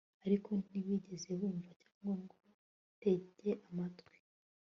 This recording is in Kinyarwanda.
ariko ntibigeze bumva cyangwa ngo batege amatwi